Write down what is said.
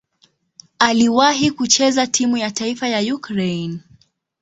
Aliwahi kucheza timu ya taifa ya Ukraine.